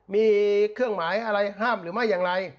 มีเครื่องหมายอะไรห้ามหรือไม่อย่างไร